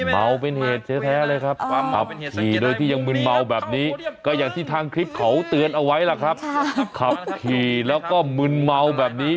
เมาไม่ถึงเมาไงเมาดิบหรืออย่างนั้น